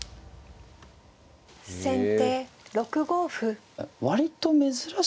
先手６五歩。